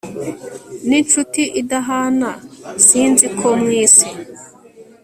ninshuti idahana sinkizo mwisi